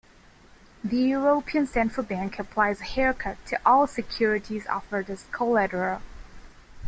The European Central Bank applies a haircut to all securities offered as collateral.